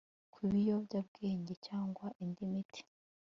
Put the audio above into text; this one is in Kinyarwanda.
kw ibiyobyabwenge cyangwa indi miti